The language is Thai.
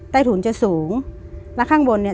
ใต้ถุนจะสูงแล้วข้างบนเนี่ย